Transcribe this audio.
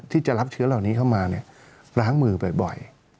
ที่จะรับเชื้อเหล่านี้เข้ามาล้างมือบ่อย